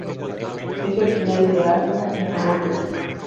Es originario de Asia, Mongolia.